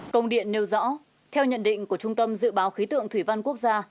công điện nêu rõ theo nhận định của trung tâm dự báo khí tượng thủy văn quốc gia